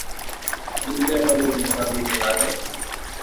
مجلس عمل ایک انتخابی اتحاد ہے۔